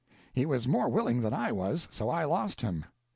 He was more willing than I was, so I lost him.